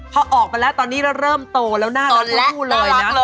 พอออกมาแล้วตอนนี้เริ่มโตแล้วหน้ารถลู่เลยนะ